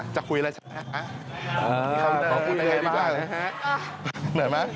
จะคุยเหรอมากจะพูดเรื่อยหน่อยนะฮะ